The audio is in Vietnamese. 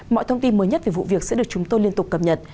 mọi thông tin mới nhất về vụ việc sẽ được chúng tôi liên tục cập nhật